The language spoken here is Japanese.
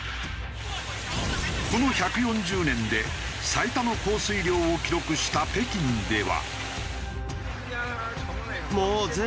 この１４０年で最多の降水量を記録した北京では。